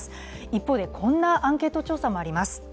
一方で、こんなアンケート調査もあります。